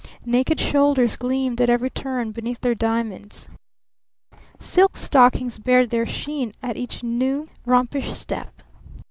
Naked shoulders gleamed at every turn beneath their diamonds! Silk stockings bared their sheen at each new rompish step!